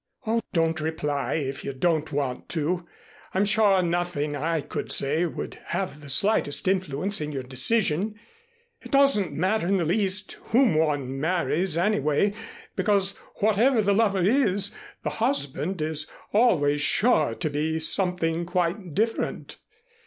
"Oh, don't reply if you don't want to. I'm sure nothing I could say would have the slightest influence on your decision. It doesn't matter in the least whom one marries anyway, because whatever the lover is, the husband is always sure to be something quite different.